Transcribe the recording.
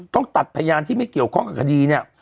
ต้องตัดพยานที่ไม่เกี่ยวข้องกับคดีเนี่ย